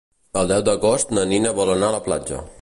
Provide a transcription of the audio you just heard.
El deu d'agost na Nina vol anar a la platja.